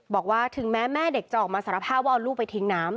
บอกว่าถึงแม้แม่เด็กจะออกมาสารภาพว่าเอาลูกไปทิ้งน้ำ